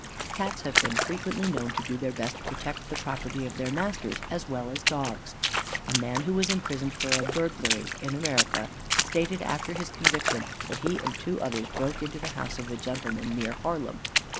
Cats have been frequently known to do their best to protect the property of their masters, as well as dogs. A man who was imprisoned for a burglary, in America, stated after his conviction, that he and two others broke into the house of a gentleman, near Harlem.